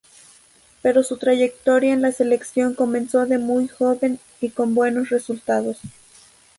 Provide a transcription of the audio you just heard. Pero su trayectoria en la selección comenzó de muy joven y con buenos resultados.